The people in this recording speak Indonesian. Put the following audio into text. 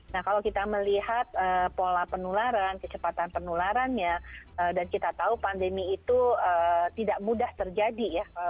nah kalau kita melihat pola penularan kecepatan penularannya dan kita tahu pandemi itu tidak mudah terjadi ya